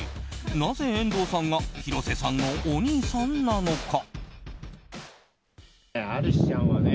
なぜ遠藤さんが広瀬さんのお兄さんなのか。